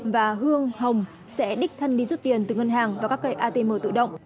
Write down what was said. và hương hồng sẽ đích thân đi rút tiền từ ngân hàng vào các cái atm tự động